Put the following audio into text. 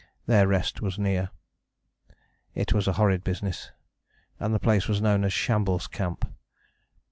Their rest was near. It was a horrid business, and the place was known as Shambles Camp.